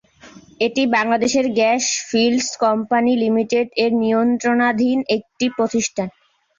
এটি Bangladesh gas fields company লিমিটেড-এর নিয়ন্ত্রণাধীন একটি প্রতিষ্ঠান।